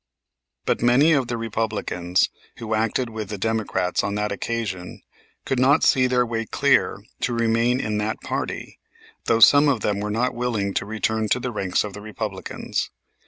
But many of the Republicans who acted with the Democrats on that occasion could not see their way clear to remain in that party, though some of them were not willing to return to the ranks of the Republicans.